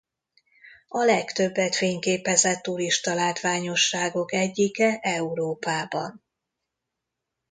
A legtöbbet fényképezett turistalátványosságok egyike Európában.